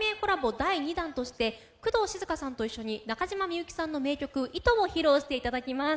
第２弾として工藤静香さんと一緒に中島みゆきさんの名曲「糸」を披露していただきます。